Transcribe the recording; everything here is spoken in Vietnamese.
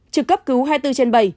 trừ cấp cứu hai mươi bốn trên bảy